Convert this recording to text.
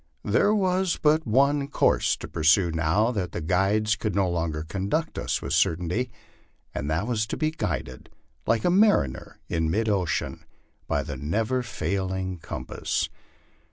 There was but onr course to pursue now that the guides could no longer conduct us with certainty and that was to be guided like the mariner in mid ocean by the never fail ing compass.